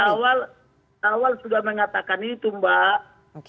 saya dari awal sudah mengatakan itu mbak